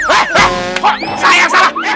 eh eh kok salah yang salah